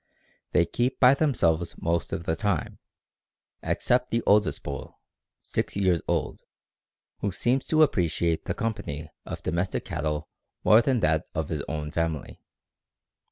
They keep by themselves most of the time, except the oldest bull (six years old), who seems to appreciate the company of domestic cattle more than that of his own family.